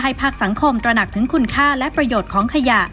ภาคสังคมตระหนักถึงคุณค่าและประโยชน์ของขยะ